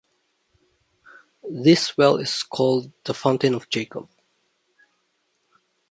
This well is called the Fountain of Jacob.